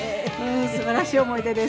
素晴らしい思い出です。